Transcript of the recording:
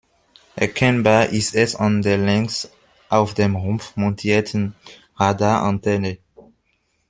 Erkennbar ist es an der längs auf dem Rumpf montierten Radarantenne.